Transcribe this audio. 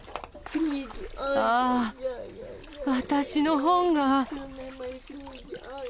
あぁ、私の本が。